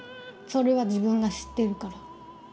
それは自分が知ってるから。